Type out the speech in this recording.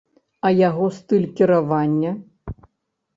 А яго стыль кіравання?